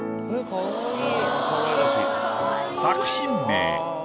かわいい。